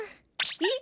えっ？